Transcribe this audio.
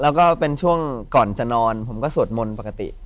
แล้วก็เป็นช่วงก่อนจะนอนผมก็สวดมนต์ปกติ